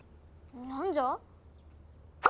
何じゃ？